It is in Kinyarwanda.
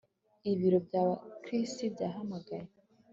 Ibiro bya Chris byahamagaye